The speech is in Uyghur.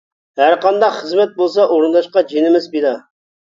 ھەرقانداق خىزمەت بولسا ئورۇنداشقا جېنىمىز پىدا!